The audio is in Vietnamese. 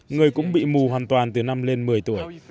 người cũng bị mù hoàn toàn từ năm lên một mươi tuổi